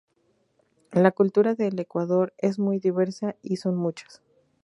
La cultura del Ecuador es muy diversa y son muchas.